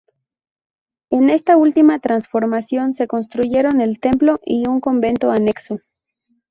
En esta última transformación se construyeron el templo y un convento anexo.